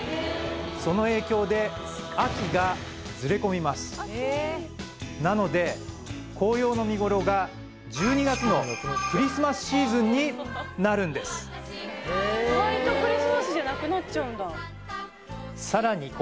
その影響でなので紅葉の見頃が１２月のクリスマスシーズンになるんですさらに